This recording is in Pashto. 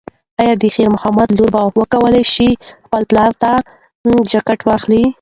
ایا د خیر محمد لور به وکولی شي خپل پلار ته جاکټ واخلي؟